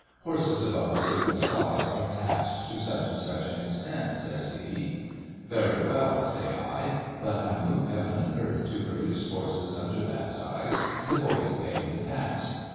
'Horses above a certain size are taxed to such and such an extent,' says he. Very well! say I. But I move heaven and earth to produce horses under that size, and avoid paying the tax.